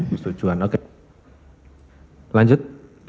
persetujuan oke lanjut